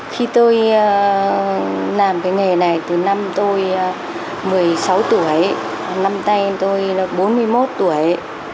khi tôi làm cái nghề này từ năm tôi một mươi sáu tuổi năm tay tôi nó bốn mươi một tuổi